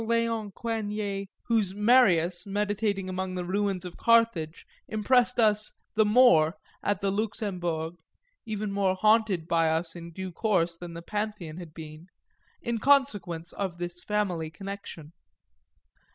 Léon Coigniet whose Marius meditating among the Ruins of Carthage impressed us the more, at the Luxembourg (even more haunted by us in due course than the Pantheon had been,) in consequence of this family connection.